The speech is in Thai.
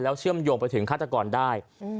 เชื่อมโยงไปถึงฆาตกรได้